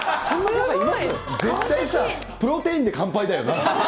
絶対さ、プロテインで乾杯だ